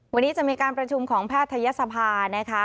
วันนี้จะมีการประชุมของแพทยศภานะคะ